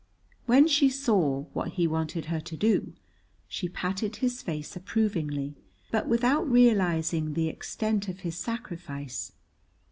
When she saw what he wanted her to do she patted his face approvingly, but without realizing the extent of his sacrifice.